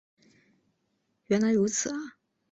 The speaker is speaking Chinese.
原来如此啊